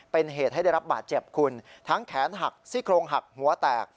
เป็นเหตุให้ได้รับบาดเจ็บคุณทั้งแขนหักซี่โครงหักหัวแตก